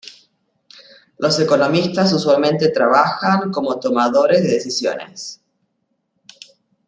Los economistas usualmente trabajan como tomador de decisiones.